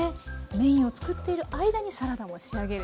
メインを作っている間にサラダを仕上げる。